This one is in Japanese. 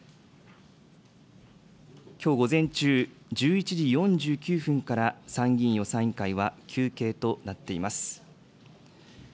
きょう午前中、１１時４９分から参議院予算委員会は休憩となっています。